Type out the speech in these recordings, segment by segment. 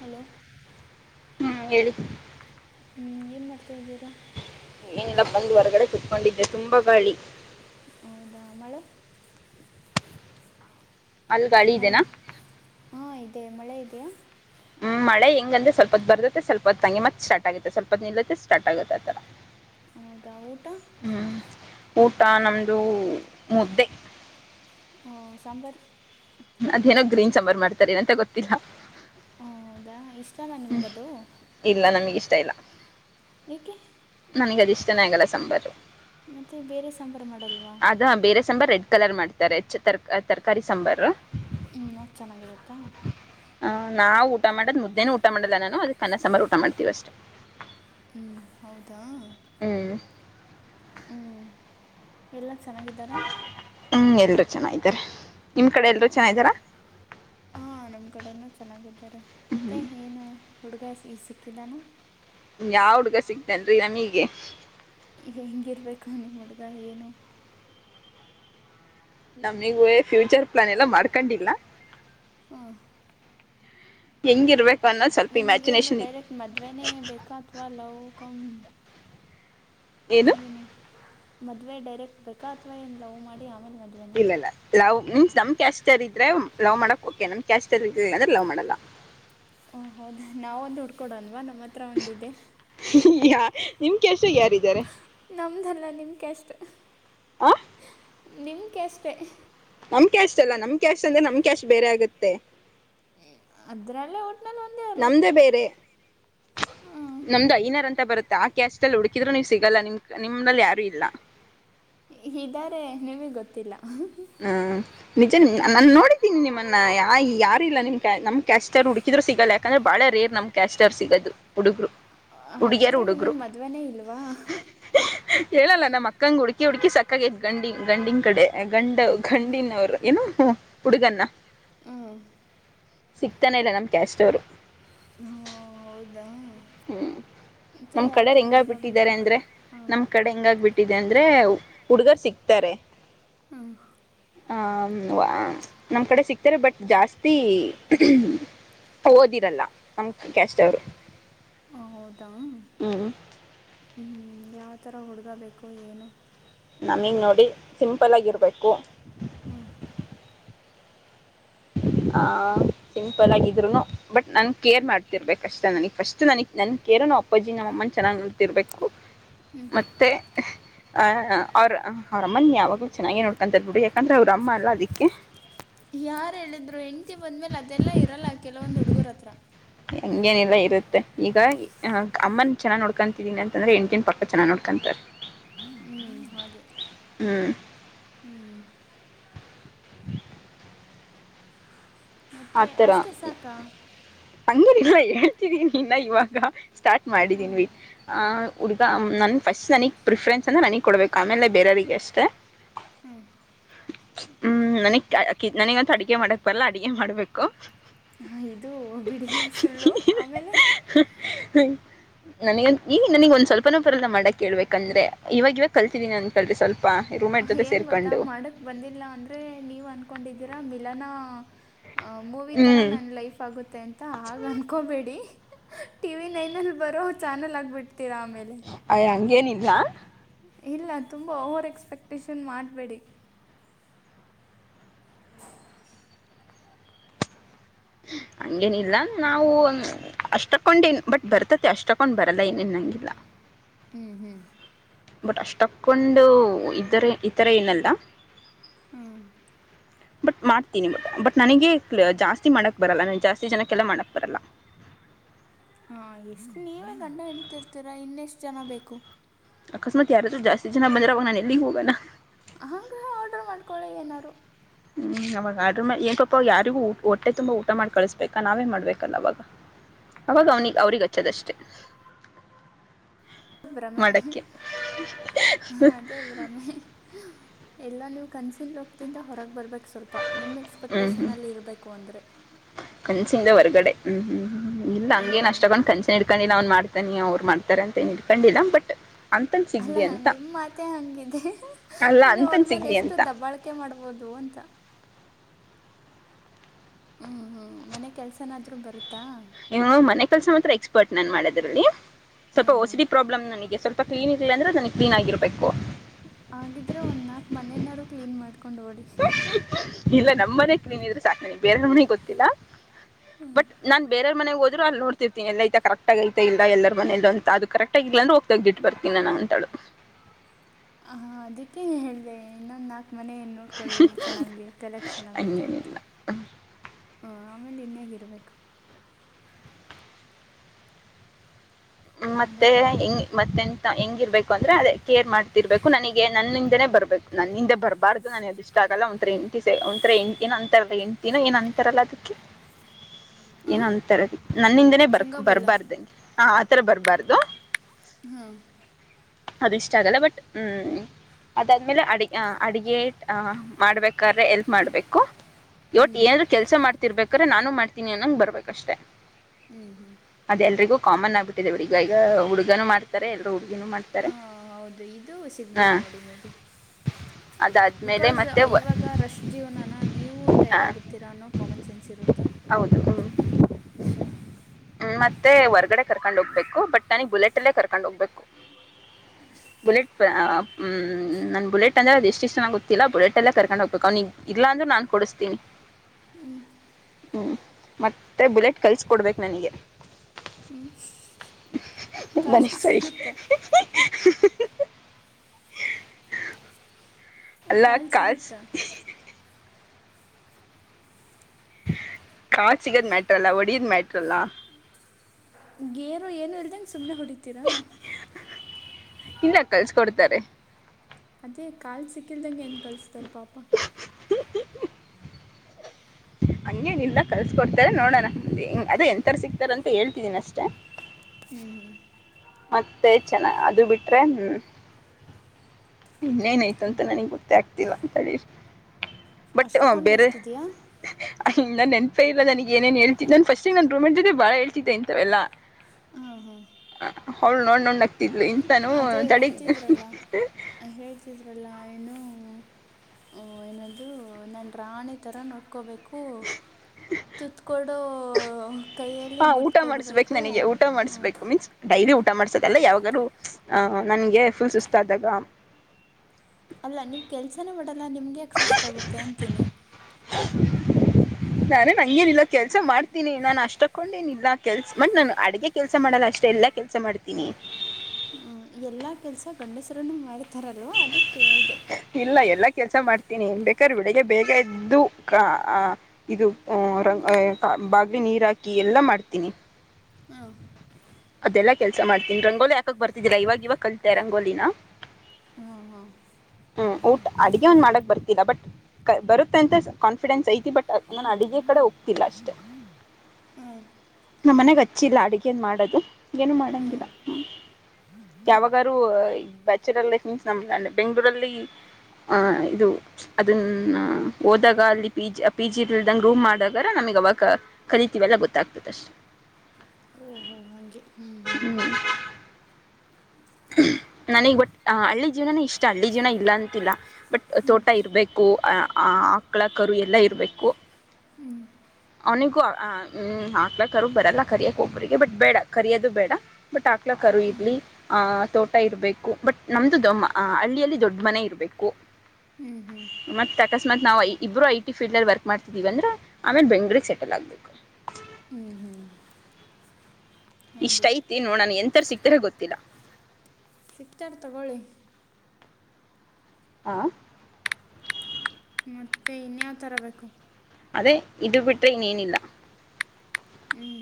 Hello ಹ್ಮ್ ಹೇಳಿ ಹ್ಞೂ ಏನು ಮಾಡ್ತಾದೀರಾ. ಏನಿಲ್ಲ ಬಂದ್ ಹೊರ್ಗಡೆ ಕುತ್ಕೊಂಡಿದ್ರೆ ತುಂಬಾ ಗಾಳಿ. ಹೌದಾ ಮಳೆ ಅಲ್ಲಿ ಗಾಳಿ ಇದೆನಾ ಮಳೆ ಹಾ ಇದೆ ಮಳೆ ಇದೆಯಾ. ಹ್ಮ್ ಮಳೆ ಹೆಂಗಂದ್ರೆ ಸ್ವಲ್ಪ ಬರ್ತ್ತ ಸ್ವಲ್ಪತ್ ತಂಗ ಮತ್ ಸ್ಟಾರ್ಟ್ಗೆ ಸ್ವಲ್ಪತ್ ನಿಲ್ಲತ್ತೆ ಸ್ಟಾರ್ಟ್ಗೆ ಆತರ. ಹೌದಾ ಊಟ ಹ್ಮ್ ಊಟ ನಮ್ದು ಮುದ್ದೆ. ಓ ಸಾಂಬಾರ್ ಅದೇನೋ ಗ್ರೀನ್ ಸಾಂಬಾರ್ ಮಾಡ್ತಾರೆ ಎನಂತ ಗೊತ್ತಿಲ್ಲ. ಆ, ಹೌದಾ ಎಸ್ಟ್ ಹ್ಮ್ ಇಲ್ಲ ನಮ್ಗಿಷ್ಟ ಇಲ್ಲ. ಏಕೆ ನನ್ಗ ಅದಿಷ್ಟನೆೇ ಆಗಲ್ಲ ಸಾಂಬಾರು ಮತ್ತು ಬೇರೆ ಸಾಂಬಾರು ಮಾಡಲ್ವಾ ಅದ. ಹೀರೆ ಸಾಂಬಾರ್ ರೆಡ್ ಕಲರ್ ಮಾಡ್ತಾರೆ [unintelligible] ತರಕಾರಿ ಸಾಂಬಾರ ಹ್ಮ್ ತಿನ್ನೋಕ್ ಚೆನ್ನಾಗಿರತ್ತ. ಹ ನಾವು ಊಟ ಮಾಡದ್ ಮುದ್ದೇನ ಊಟ ಮಾಡಲ್ಲ ನಾನು ಅದ ಕನ್ನಸಂಬಾರ ಊಟ ಮಾಡ್ತೀವ ಅಷ್ಟೇ. ಹ್ಮ್ ಹೌದಾ ಹ್ಮ್ ಹ್ಮ್ ಎಲ್ಲ ಚೆನ್ನಾಗಿದ್ದಾರಾ. ಹ್ಮ್ ಎಲ್ರು ಚೆನ್ನಾಗಿದ್ದಾರೆ. ನಿಮ್ ಕಡೆ ಎಲ್ಲರೂ ಹ ಚೆನ್ನಾಗಿದ್ದಾರಾ ಹ ನಮ್ ಕಡೆನೂ ಚೆನ್ನಾಗಿದ್ದಾರೆ ಮತ್ತೆ ಏನು. ಹುಡುಗ ಈ ಸಿಕ್ಕಿದ್ದಾನ. ಯಾವ ಹುಡುಡ್ಗ ಸಿಗ್ತೇನ್ರೀ ನಮೀಗೆ. ಹೆಂಗಿರ್ಬೇಕು ನಿಮ್ಮ ಹುಡುಗ ಏನು ನಮ್ನಿಗೂ ಫ್ಯೂಚರ್ ಪ್ಲಾನ್ ಎಲ್ಲ ಮಾಡ್ಕೊಂಡಿಲ್ಲ ಹ್ಮ ಹೆಂಗಿರ್ಬೇಕ ನಿಮಗೇನು ಡೈರೆಕ್ಟ್ ಮದ್ವೆೇನೇ ಬೇಕಾ ಅಥವಾ ಲವ್ ಕಮ್ ಏನು ಮದ್ವೆ ಡೈರೆಕ್ಟ್ ಬೇಕಾ ಅಥವಾ ಏನ್ ಲವ್ ಮಾಡಿ ಆಮೇಲೆ ಮದುವೆನಾ ಇಲ್ಲಲ್ಲ ಲವ್ ಮೀನ್ಸ್ ನಮ್ ಕ್ಯಾಸ್ಟರ್ ಇದ್ರೆ ಲವ್ ಮಾಡಕ್ ಓಕೆ ನಮ್ ಕ್ಯಾಸ್ಟರ್ ಇದ್ರೆರೆ ಲವ್ ಮಾಡಲ್ಲ ಓ ಹೌದಾ ನಾವೊಂದು ಹುಡ್ಕೊಡಲ್ವಾ ನಮ್ಮ ಹತ್ರ ಒಂದಿದೆ ಈಗ ನಿಮ್ ಕೆಸ ನಮ್ದಲ್ಲ ನಿಮ್ಗೆ ಕ್ಯಾಸ್ಟ್ ಆ ನಿಮಕ ಅಷ್ಟೆ ನಮ್ ಟೆಸ್ಟ್ ಅಲ್ಲ ನಮ್ ಕ್ಯಾಶ್ ಅಂದ್ರೆ ನಮ್ ಕ್ಯಾಶ್ ಬೇರೆ ಆಗುತ್ತೆ ಅದ್ರಲ್ಲೇ ಒಟ್ನಲ್ಲಿ ಒಂದೇ ಅಲ್ಲ ನಮ್ದೇ ಹಾಂ [unintelligible] [inaudible] ನಮ್ದು ಐನಾರ ಅಂತ ಬರುತ್ತೆ ಆ ಕ್ಯಾಸ್ ಅಲ್ಲಿ ಹುಡುಕಿದ್ರು ನೀವುಸಿಗಲ್ಲ ನಿಮ್ ನಿಮ್ನಲ್ಲಿ ಯಾರು ಇಲ್ಲ ಇದಾರೆ ನಿಮಗೆಗ್ ಗೊತ್ತಿಲ್ಲ ಹ್ಮ ನಿಜ ನಾನನ್ ನೋಡಿದ್ದೀನಿ ನಿಮ್ಮನ್ನ ಯ ಯಾರ ಇಲ್ಲ ನಿಮ್ ನಮ್ ಕಷ್ಟರ್ ಹುಡ್ಕಿ ಇದರು ಸಿಗಲ್ಲ ಯಾಕಂದ್ರೆ ಬಾಳ ರೇರ್ ನಮ್ ಕ್ಯಾಸ್ಟರ್ ಸಿಗೋದು ಹುಡುಗರು ಹುಡುಗಿಯರು ಹಾಗಿದ್ರೆ ಹುಡುಗರು ನಿಮಗ್ ಮದ್ನೇ ಇಲ್ವಾ ಹೇಳಲ್ಲ ನಮ್ಮ ಅಕ್ಕಂಗ ಹುಕಿ ಹುಡ್ಕಿ ಸಕ್ಕಾಗದ ಗಂಡಿ ಗಂಡಿನ್ ಕಡೆ ಗಂಡ ಗಂಡಿನವರು ಏನೋ ಹುಡುಗನ್ನ ಹ್ಮ್ ಸಿಕ್ತಾನೆ ಇಲ್ಲ ನಮ್ ಕ್ಯಾಶ್ಟೋರು ಹೌದಾ ಹ್ಮ್ ಮತ್ತು ನಮ ಯಾವ ಕಡರ್ ಥರ ಹೆಂಗಾಗ್ ಹುಡುಗ ಬಿಟ್ಟಿದ್ದಾರೆ ಬೇಕು ಅಂದ್ರೆ ಹಾಂ ನಮ್ ಕಡೆ ಹೆಂಗಾಗ್ ಬಿಟ್ಟ ಇಟ್ಟಿದೆ ಅಂದ್ರೆ ಹುಡ್ಗರ್ ಸಿಕ್ತಾರೆ ಹ ಹ ನಮ್ ಕಡೆ ಸಿಕ್ತಾರೆ ಬಟ್ ಜಾಸ್ತಿ ಓದಿರಲ್ಲ ನಮ ಕೆಸ್ವರು ಹ ಹೌದಾ ಯಾವ ಥರ ಹುಡ್ಗ ಬೇಕು ಏನು ನಮಗ್ ನೋಡಿ ಸಿಂಪಲ್ ಆಗ ಇರ್ಬೇಕು ಹ್ಮ್ ಹ ಸಿಂಪಲ್ ಆಗಿದ್ರು ಬಟ್ ನನ್ ಕೇರ್ ಮಾಡ್ತಿರ್ಬೇಕ ಅಷ್ಟ ನನಗ್ ಫಸ್ಟ್ ನನ ನ ಕೇರ್ ನ ಅಪ್ಪಾಜಿ ನಮ್ಮಮ್ಮ ನನ್ನ ಚೆನ್ನಾಗಿ ನೋಡ್ಕೊಳ್ಳಬೇಕು ಮತ್ತೆ ಅ ಅವ್್ರ ಅವ್ರ ಅಮ್ಮನ ಯಾವಾಗಲೂ ಚೆನ್ನಾಗೇ ನೋಡ್ಕೊಂತ್ಬ ಬಿಡಿ ಯಾಕಂದ್ರೆ ಅವ್ರ ಅಮ್ಮ ಅಲ್ಲ ಅದಕ್ಕೆ ಯಾರ ಹೇಳಿದ್ರು ಹೆಂಡ್ತಿ ಬಂದ್ಮೇಲೆ ಅದೆಲ್ಲ ಇರಲ್ಲ ಕೆಲವೊಂದು್ ಹುಡುಗರ ಹತ್ರ ಹಂಗೇನಲ್ಲಾ ಇರುತ್ತೆ ಈಗ ಅಮ್ಮನ್ ಚೆನ್ನಾಗ್ ನೋಡ್ಕೊತಿದೀನಿ ಅಂತಂದ್ರೆ ಹೆಂಡಟಿನ ಪಕ್ಕ ಚನ್ನಾಗ್ ನೋಡ್ಕೊಂತಾರೆ ಹ್ಮ್ ಹಾಗೆ ಹ್ಮ್ ಹ್ಮ್ [inaudible] ಮತ್ತೆ ಅಷ್ಟೇ ಸಾಕಾ ಹಂಗೆನಿಲ್ವ್ ಹುಡುಗ ನನ್ನ ಫಸ್ಟ್ ನನಗೆ ಪ್ರಿಫ್ರೆನ್ಸ್ ಅಂದರೆ ನನಗೆ ಕೊಡಬೇಕು ಆಮೇಲೆ ಬೇರೆಯವರಿಗೆ ಅಷ್ಟೇ ಹ್ಮ ಹ್ಮ್ ನನಗ್ ನನಗಂತೂ ಅಡುಗೆ ಮಾಡಕ್ ಬರಲ್ಲ ಅಡಗೆ ಮಾಡ್ಬೇಕು ಹ ಇದು ಬಿಡಿನ್ ಸುಳ್ಳು ಆಮೇಲೆ ಹ್ಮ ನನಗ ಒ ಈ ನನಗಗ್ ಒಂದ ಸ್ವಲ್ಪನೋಬ್ರ ಎಲ್ಲ ಮಾಡಕ್ ಕೇಳ್ಬೇಕಂದ್ರೆ ಇವಾಗ ಇವಾಗ ಕಲ್ತಿದಿನನಿ ಸ್ವಲ್ಪ ರೂಮ್ಮೇಟ್ ಜೊತೆ ಏನ್ ಗೊತ್ತಾ ಸೇರ್ಕೊಂಡು ಮಾಡಕ್ ಬಂದಿಲ್ಲ ಅಂದ್ರೆ ನೀವ್ ಅನ್ಕೊಂಡಿದೀರ ಮಿಲನ ಮೂವಿ ತರ ಹ್ಮ್ ನನ್ನ ಲೈಫ್ ಆಗುತ್ತೆ ಅಂತ ಆಗ ಅನ್ಕೊಬೇಡಿ ಟಿವ ವಿ ನೈನ್ ಅಲ್ಲಿ ಬರೋ ಚಾನಲ್ ಆಗ್ಬಿಡ್ತೀರಾ ಆಮೇಲೆ ಹಾ ಇಲ್ಲ ತುಂಬಾ ಓವರ್ ಎಕ್ಸ್ಪೆಕ್ಟಷನ್ ಮಾಡಬೇಡಿ ಹಂಗೇನಿಲ್ಲ ನಾವು ಅಷ್ಟಕ್ಕೊಂಡೇನ್ ಬಟ್ ಬರ್ತತಿ ಅಷ್ಟಕ್ಕೊಂಡ್ ಬರಲ್ಲ ಏನೇನ್ಂಗಿಲ್ಲ ಹ ಹ್ಮ್ ಹ್ಮ್ ಬಟ್ ಅಷ್ಟಕ್ಕೊಂಡು ಇದರೆ ಇತರ ಏನಲ್ಲ ಹ್ಮ್ ಬಟ್ ಮಾಡ್ತೀನಿ ಮ ಬಟ್ ನನಗೆ ಜಾಸ್ತಿ ಮಾಡಕ್ ಬರಲ್ಲ ನ ಜಾಸ್ತಿ ಜನಕ್ಕೆಲ್ಲ ಮಾಡಕ್ ಬರಲ್ಲ ಹ [unintelligible] ಹಾ ಎಷ್ಟು ನೀವೇ ಗಂಡ ಹೆಂಡ್ತಿ ಇರ್ತೀರ ನೀನೇ ಚೆನ್ನಾಗಿ ಬೇಕು ಅಕಸ್ಮಾತ್ ಯಾರಾದ್ರೂ ಜಾಸ್ತಿ ಜನ ಬಂದರೆ ನಾನಿಲ್ಲಿ ಹೋಗೋಣ ಹಂಗ ಆರ್ಡ್ರ ಮಾಡ್ಕೊಳಿ ಏನಾರರು ಹ್ಮ್ ಅವಾಗ ಆದ್ರ ಏಕಪ್ಪ ಯಾರಿಗೂ ಹೊಟ್ಟೆ ತುಂಬಾ ಊಟ ಮಾಡಿ ಕಳಿಸ್ಬೇಕಾ ನಾವೇ ಮಾಡ್ಬೇಕಲ್ಲ ಅವಾಗ ಅವಾಗ ಅವರಿಗೆ ಅಚ್ಚದಷ್ಟೇ ಭ್ರಮೆ ಅದೇ ಭ್ರಮೆ ಎಲ್ಲಾ ನೀವು ಕನಸಿನ ಲೋಕದಿಂದ ಹೊರಗೆ ಬರಬೇಕು ಸ್ವಲ್ಪ ನಿಮ್ಮ ಹ್ಮ್ ಹ್ಮ್ ಎಕ್ಸ್ಪೆಕ್ಟೇಷನಲ್ಲಿ ಇರಬೇಕು ಅಂದರೆ ಚದ ಹೊರ್ಗಡೆ ಹ್ಮ್ ಹ್ಮ್ ಇಲ್ಲ ಹ್ಞೂ ಹಂಗೇನ್ ಅಷ್ಟಕೊಂಡ್ ಕಂಚನ್ ಇಡ್ಕೊಂಡಿ ನ್ನ್ ಮಾಡ್ತಾನಿ ಅವ್ ಮಾಡತ ಅಂತೇ ಖಂಡಿತಾ ಬಟ್ ಅಂತನ್ ಅಲ್ಲ ಸಿಗ್ಲಿ ಹಾ ಅಂತ ನಿಮ್ ಮಾತೆ ಹಂಗಿದೆ ಅಲ್ಲ ಇನ್ನು ಅವ್ರ ಅಂತನ್ ಮೇಲೆ ಸಿಗ್ಲಿ ಎಷ್ಟು ಅಂತ ದಬ್ಬಾಳಕೆ ಮಾಡ್ಬೋದು ಅಂತ ಹ್ಮ್ ಹ್ಮ್ ಮನೆ ಕೆಲಸನಾದ್ರೂ ಬರುತ್ತಾ ಮನೆ ಕೆಲಸ ಮಾಡದಲ್ಲಿ ಎಕ್ಸ್ ಫೋಟೋ ಮಾಡೋದ್ರಲ್ಲಿ ಸ್ವಲ್ಪ ಹಾಂ ಓಸಿಡಿ ಪ್ರಾಬ್ಲಮ್ ನನಗೆ ಸ್ವಲ್ಪ ಕ್ವೀನ್ ಕಿಲ್ಲೆಯ ಅಂದ್ರೆ ನನಗೆ ಕ್ಲೀನಾಗಿ ಇರಬೇಕು ಹಾಗಿದ್ದರೆ ಒಂದು ನಾಲ್ಕು ಮನೆಯನ್ನು ಕ್ಲೀನ್ ಮಾಡಿಕೊಂಡು ಹೋಗಲಿ ಇವಾಗ ನಮ್ಮನೆ ಕ್ಲೀನಿದ್ರೆ ಸಾಕು ಬಟ್ ಬೇರೆಯವರ ಮನೆ ಕ್ಲೀನ್ ಇದ್ರೆ ನನಗೆ ಗೊತ್ತಿಲ್ಲ ನನ ಮನೆಗೆ ಹೋದ್ರೆ ಅಲ್ಲಿ ನೋಡ್ತೀನಿ ಎಲ್ಲ ಕರೆಕ್ಟಾಗಿ ಇಲ್ಲ ಎಲ್ಲರ ಮನೆಯಲ್ಲಿ ಕರೆಕ್ಟಾಗಿ ಇಲ್ಲ ಅಂತಾಳು ಆ ಹಾ ಅದಕ್ಕೆೇ ಹೇಳಿದೆ ಇನ್ನೊಂದ ನಾಕ ಮನೆಯನ್ನು ನೋಡ್ಕೊಳ್ಳಿ ಚೆನ್ನಾಗಿ ಕಲೆಕ್ಷನ್ ಆಗುತ್ತೆ ಅಂತ ಹಂಗೇನಿಲ್ಲ ಹ ಆಮೇಲೆ ಇನ್ನೇನ್ ಇರಬೇಕು ಹ್ಮ ಹಲೋ ಮತ್ತೆ ಹಂಗ್ ಮತ್ತೆಂತ ಹೆಂಗಿರ್ಬೇಕು ಅಂದ್ರೆ ಅದೇ ಕೇರ್ ಮಾಡ್ತಿರ್ಬೇಕು ನನಗೆ ನನ್ನಿಂದನೇ ಬರ್ಬೇಕು ನನ್ನಿಂದೆ ಬರಬಾರ್ದು ನಾನ ಅದ ಇಷ್ಟ ಆಗಲ್ಲ ಒಂಥರ ಎತಿ ಒಂಥರ ಏನ್ ಅಂತ ಎಂಡತಿನ ಏನ್ ಅಂತಾರಲ್ಲ ಅದಕ್ಕೆ ಹ [unintelligible] ಏನ ಹಾಂ ಒಂದ ತರದ ನನ್ನಿಂದನೇ ಬರ್ ಸಂಗಾಬುಲ್ಲ ಬರ್ಬಾರ್ದಂಗೆ ಹ ಆತರ ಬರ್ಬಾರ್ದು [unintelligible] ಹಾ ಅದು ಇಷ್ಟ ಆಗಲ್ಲ ಬಟ್ ಹ್ಮ್ ಅದಾದ್ಮೇಲೆ ಅಡಿ ಅಡಗೆ ಅ ಮಾಡ್ಬೇಕಾದ್ರೆ ಎಲ್ಪ್ ಮಾಡ್ಬೇಕು ಹ್ಞೂ ಯವಟ್ ಏನರು ಕೆಲ್ಸ ಮಾಡ್ತಿರ್ಬೇಕ್ರೆ ನಾನು ಮಾಡ್ತೀನಿ ಅನ್ನೋಂಗೆ ಬರ್ಬೇಕ ಅಷ್ಟೆ ಹ್ಮ್ ಹ್ಮ್ [unintelligible] ಕಾಮನ್ ಆಗ್ಬಿಟ್ಟಿದೆ ಹಿಗ ಈಗ ಹುಡುಗನು ಮಾಡತಾರೆ ಎಲ್ಲರ ಹುಡುಗ ಹಾ ಹೌದು ಇದು ಸಿಗ್ಬೋದು ನೋಡಿ ಮೇಲ್ಲಿ ಅದ ಅೆ ಬಿಕಾಸ್ ಇವಾಗ ರಶ್ ಜೀವನಾನ ನೀವು ಟೈರ್ಡ್ ಹಾಂ ಆಗಿರ್ತೀರಾ ಅನ್ನೋ ಕಾಮನ್ ಸೆನ್ಸ್ ಇರುತ್ತಾ ಹೌದು ಹ್ಮ ಸೊ ಹ್ಮ ಮತ್ತೆ ಹೊರ್ಗಡೆ ಕರ್ಕೊಂಡ್ ಹೋಗ್ಬೇಕು ಬಟ್ ನನಗ್ ಬುಲೆಟ್ಲ್ಲೇ ಕರ್ಕೊಂಡ್ ಹೋಗ್ಬೇಕು ಬುಲೆಟ್್ ನನ್ ಬುಲೆಟ್ ಅಂದ್ರೆ ಅದು ಎಷ್ಟ ಚೆಾಗ ಗೊತ್ತಿಲ್ಲ ಬುಲೆಟ್ ಎಲ್ಲ ಕರ್ಕೊಂಡ್ ಹೋಗ್ಬೇಕು ಅವ್ ಇಲ್ಲ ನಾನ್ ಕೊಡಿಸ್ತೀನಿ ಹ್ಮ್ [unintelligible] ಹ್ಞೂ ಮತ್ತು ಬುಲೆಟ್ ಕಲಿಸಕೊಡ್ಬೇಕು ನನಗೆ ಹ್ಞೂ ಮನೆ ಕಾಲು ಸರಿ ಸಿಗುತ್ತಾ ಅಲ್ಲ ಕಾಲು ಕಸ್ ಸಿಗುತ್ತಾ ಕಚಗದ ಮ್ಯಾಟ್ರಲ್ಲ ಒಡಿಯದ್ ಮ್ಯಾಟ್ರಲ್ಲ [unintelligible] ಗೇರು ಏನು ಇಲ್ದಂ ಸುಮ್ನೆ ಹೊಡಿತೀರಾ ಇಿಂದ ಕಲ್ಸಕೊಡ್ತಾರೆ ಅದೇ ಕಾಲ್ ಸಿಕ್ಕಲ್ದಂಗೆ ಏನ್ ಕಲ್ಸ್ತಾರ ಪಾಪ ಹಂಗೇನಿಲ್ಲ ಕಲ್ಸಕೊಡ್ತಾರೆ ನೋಡೋಣ ಮುಂದೆ ಅದೇ ಎಂಂತರ ಸಿಗ್ತಾರ ಅಂತ ಹೇಳ್ತಿದೀನಿ ಅಷ್ಟೇ ಹ್ಮ್ ಹ್ಮ್ [unintelligible] ಮತ್ತೆ ಚೆನ್ನ ಅದು ಬಿಟ್ರೆ ಹ್ಮ್ ಇನ್ನೇನಾಯ್ತು ಅಂತ ನನಗ್ ಗೊತ್ತೇ ಆಗ್ತಿಲ್ಲ ಅಂತ ಹೇಳಿಿ [unintelligible] ಬಟ್ ಹ ಅಷ್ಟಕ್ಕೊಂದು ಬೇರೆ ಲಿಸ್ಟ್ ಇದೆಯಾ ಹ ನೆನಪೇ ಇಲ್ಲ ನನಗ ಏನೇನ್ೇಳ್ತಿದ್ದ ನ ಸ್ಟ ನನ್ ರೂಮ್ ಜೊತೆ ಬಾಳ ಹೇತಿದ್ದೆ ಇಂತಂತೆವೆಲ್ಲ ಹಾ ಹಾ ಹೌಳ ನೋಡ್ ನೋೊಂಡ ಆಗ್ತಿದ್ಲು ಇಂತಾನು ತಡೆ ಅ್ರಲ್ಲ ಏನು ಏನದು ನನ್ನ ರಾಣಿ ತರ ನೋಡ್ಕೋಬೇಕು [unintelligible] ಹೂ ತತ್ಕಡುೋ ಹಾ ಊಟ ಮಾಡ್ಬೇಕು ನನಗೆ ಊಟ ಹ್ಞೂ ಮಾಡ್ಬೇಕು ಮೀನ್ಸ್ ಡೈರಿ ಊಟ ಊಟ ಮಾಡ್ಸಕಲ್ಲ ಯಾವಾಗೂ ಆಹ ನನ್ಗೆ ಫುಲ್ ಸುಸ್ತ ಆದಾಗ ಅಲ್ಲ ನೀವು ಕೆಲ್ಸನೇ ಮಾಡಲ್ಲ ನಿಮ್ಗೆ ಯಾಕೆ ಸುಸ್ತಾಗುತ್ತೆ ಅಂತೀನಿ ನಾನು ನಂಗೇನಿಲ್ಲ ಕೆಲ್ಸ ಮಾಡ್ತೀನಿ ನಾನು ಅಷ್ಟಕ್ಕೊಂಡ ಏನಿಲ್ಲ ಕೆಲ್ ಮ ನಾನು ಅಡ್ಗೆ ಕೆಲ್ಸ ಮಾಡಲ್ಲ ಅಷ್ಟ ಎಲ್ಲ ಕೆಲಸ ಮಾಡ್ತೀನಿ ಹ್ಮ್, ಎಲ್ಲ ಕೆಲಸ ಗಂಡಸರನ್ನು ಮಾಡ್ತಾರಲ್ವ ಅದೇ ಕೇಳಿದೆ ಕೆಲಸ ಮಾಡ್ತೀನಿ ಬೇಕಾದ್ರೆ ಬೆಳಗ್ಗೆ ಬೇಗ ಎದ್ದು ಇದು ಬಾಗಲಿ ನೀರ್ ಹಾಕಿ ಎಲ್ಲಾ ಮಾಡ್ತೀನಿ ಹ ಅದೆಲ್ಲಾ ಕೆಲ್ಸ ಮಾಡ್ತೀನಿ ರಂಗೋಲಿ ಯಾಕಕ್ ಬರ್ತಿದ್ದಿಲ್ಲಾ ಇವಾಗ ಇವಾಗ ಕಲಿತಾ ರಂಗೋಲಿನ ಹಾ ಹ್ಮ್ ಊಟ್ ಅಡಗೆ ಒಂದ್ ಮಾಡಕ್ ಬರ್ತಿಲ್ಲ ಬಟ್ ಬರುತ್ತ ಅಂತ ಕಾನ್ಫಿಡೆನ್ಸ್ ಐತಿ ಬಟ್ ನ ಅಡಗೆ ಕಡೆ ಹೋಗ್ತಿಲ್ಲ ಅಷ್ಟೆ ಹ್ಞೂ ನಮ್ಮ ಮನೆಾಗ ಹಚ್ಚಿಲ್ಲ ಅಡುಗೆನ್ ಮಾಡೋದು ಏನೂ ಹ್ಞೂ ಮಾಡಂಗಿಲ್ಲಾ ಯಾವಾಗಾರು ಅಯ್ ಬ್ಯಾಚುರ ಲೖಪ್ ನ--ನ ಬೆಂಗಗಳೂರಲ್ಲಿ ಹ- ಇದು ಅದನ್ನ ಹೋದಾಗ ಅಲ್ಲಿ ಪಿಜಿ ಇಲ್ದಂಗ ರೂಮ್ ಮಾಡಾಗಾರ ನಮ್ ಗವಾಕ ಕರಿತೆವೆಲ್ಲಾ ಗೊತ್ತಾದ ಅಷ್ಟ ಹೂಂ ಹಾಂಗೆ ಹೂಂ ಹುಂ -ನನಿಗ್ ಬಟ್ ಆಂ ಹಳ್ಳಿ ಜೀವನಾನೇ ಇಷ್ಟ ಹಳ್ಳಿ ಜೀವನಾ ಇಲ್ಲ ಅಂತಿಲ್ಲಾ ಬಟ್ ತೋಟ ಇರಬೇಕು ಆಆ ಆಕ್ ಳಾ ಕರು ಎಲ್ಲ ಇರ್ಬೇಕು. ಅವನಿಗೂ ಆಂಅಂಹಂ ಆಗಲಾಕಾರು ಬರಲ್ಲ ಕರಿಯಕ್ಹೋಗ್ಬಬೇಡಿ ಬಟ್ ಬೇಡ ಕರಿಯೋದು ಬೇಡ ಬಟ್ ಆಗಲಾ ಕರೂ ಇದ್ಲಿ ಆ ಅ ತೋಟ ಇರಬೇಕು ಬಟ್ ನಮ್ದು ದಮ ಹಳ್ಳಿಯಲ್ಲಿ ದೊಡ್ಡ ಮನೆ ಇರ್ಬೇಕು ಅಂ ಹಂ ಅಕಸ್ಮಾತ್ ನಾವ್ ಇ ಇಬ್ಬರು ಐ ಟಿ ಫೀಲ್ಡ್ ನಲ್ಲಿ ವರ್ಕ್ ಮಾಡ್ತಿದ್ದೀವಿ ಅಂದ್ರ ಆಮೇಲೆ ಬೆಂಗಳೂರಿಗೆ ಸೆಟಲ್ ಆಗ್ಬೇಕು- ಹ್ಮ ಇಷ್ಟ ಐತಿ ನೋಡ್ ನನ್ ಎಂಥರ ಸಿಗ್ತರ ಗೊತ್ತಿಲ್ಲಾ ಸಿಗ್ತಾರ್ ತಗೊಳ್ಳಿ ಆಂ ಮತ್ತೆ ಇನ್ಯಾವ್ ತರ ಬೇಕು ಅದೇ ಇದು ಬಿಟ್ರೆ ಇನ್ನೇನಿಲ್ಲಾ ಹ್ಞೂ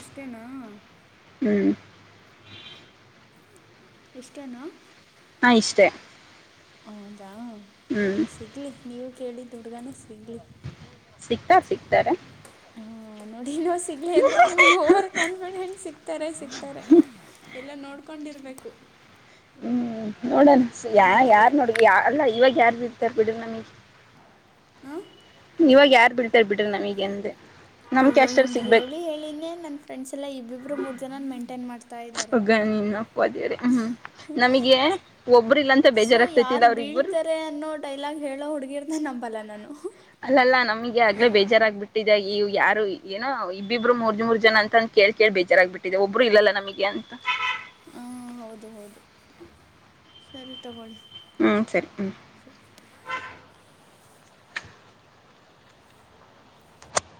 ಇಷ್ಟೇನಾ [unintelligible] ಇಷ್ಟೇನಾ ಹಾಂ ಇಷ್ಟೇ ಹೌದಾ ಹ್ಞೂ ಸಿಗ್ಲಿ ನೀವು ಕೇಳಿದ ಹುಡ್ಗಾನೇ ಸಿಗ್ಲಿ ಸಿಗ್ತಾ ಸಿಗ್ತಾರೆ ಹಾಂ ನೋಡಿ ನೋ ಸಿಗ್ಲಿ ಅಂದ್ರೆ ನಿಮ್ಮ್ ಓವರ್ ಕಾನ್ಫಿಡೆಂಟ್ ಸಿಗ್ತಾರೆ ಸಿಗ್ತಾರೆ ಎಲ್ಲಾ ನೋಡ್ಕೊಂಡ್ ಇರ್ಬೇಕು ಹ್ಮ್ ನೋಡಣ ಯಾ ಯಾರ್ ನೋಡ್ಗಿ ಯ ಅಲ್ಲ ಇವಾಗ ಯಾರು ಇರ್ತ ಬಿಡ ನಮಗ್ ಹಾಂ ಇವಾಗ ಯಾರ್ ಬಿಳ್ತಾರ ಬಿಡ್ರಿ ನಮಗೆ ಅಂದ ಅಯ್ಯೋ ಹಿಂಗ್ ಹೇಳಿ ಹೇಳಿನೇ ನನ್ ಫ್ರೆಂಡ್ಸ್ ಎಲ್ಲಾ ಇಬ್ಬಿಬ್ರು ಮೂರ್ ಜನ ಮೇಂಟೈನ್ ಮಾಡ್ತಾ ಇದ್ದಾರೆ ಏನಪ್ಪಾ ದೇವರೇ ಹ್ಮ್ ನಮಗೆ ಒಬ್ಬ್ರ ಇಲ್ಲಾಂತ ಬೇಜಾರಾಗ್ತ್ತತಲ್ಲ ಅವ್ರಿಬ್ಬರು ಡೖಲಾಗ ಹೇಳೋ ಹುಡುಗೀಯರನ್ನ ನಂಬಲ್ಲಾ ನಾನು ಅಲ್ಲಲ್ಲಾ ನಮ್ಗಿ ಆಗ್ಲೇ ಬೇಜಾರಾಗಬಿಟ್ಟಿದೆ ಈ ಯಾರೋ ಏನೋ ಇಬ್ಬಿಬ್ರು ಮೂರ್ ಜನ ಅಂತನ ಕೇಳ್ ಕೇಳಿ ಬೇಜಾರಾಗ್ಬಿಟ್ಟಿದೆ ಒಬ್ಬರು ಇಲ್ಲಲಾ ನಮಗೆ ಅಂತ ಆಂ ಹೌದು ಹೌದು ಸರಿ ತಗೊಳ್ಳಿ ಹ್ಮ ಸರಿ ಹ್ಮ